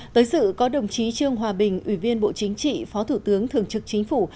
tới sự có đồng chí trương hòa bình ủy viên bộ chính trị phó thủ tướng thường trực chính phủ